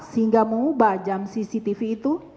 sehingga mengubah jam cctv itu